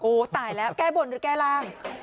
โอ้โหตายแล้วแก้บนหรือแก้ร่าง